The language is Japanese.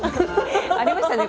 ありましたね。